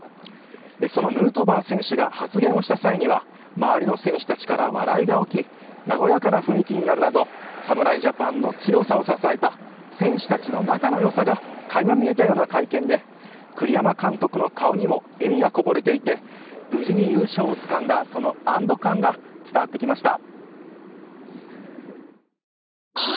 そのヌートバー選手が発言をした際には周りの選手たちから笑いが起き和やかな雰囲気になるなど侍ジャパンの強さを支えた選手たちの仲の良さが垣間見えたような会見で栗山監督の顔にも笑みがこぼれていて無事に優勝をつかんだその安堵感が伝わってきました。